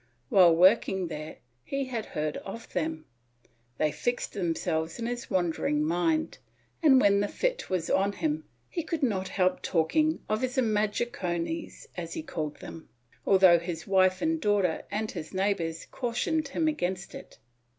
While working there he had heard of them, they fixed themselves in his wandering mind and, when the fit was on him, he could not help talking of his imaginaciones as he called them, although his wife and daughter and his neighbors, cautioned him against it.